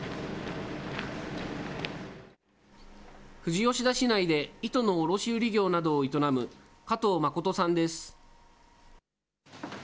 富士吉田市内で糸の卸売り業などを営む加藤誠さんです。